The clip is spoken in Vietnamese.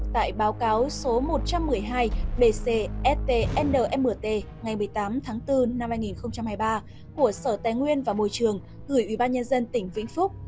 tại báo cáo số một trăm một mươi hai bcstnmt ngày một mươi tám tháng bốn năm hai nghìn hai mươi ba của sở tài nguyên và môi trường gửi ủy ban nhân dân tỉnh vĩnh phúc